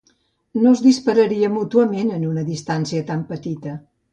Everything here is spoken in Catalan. No es dispararien mútuament en una distància tan petita.